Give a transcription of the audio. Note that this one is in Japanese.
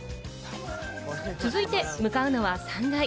続いて向かうのは３階。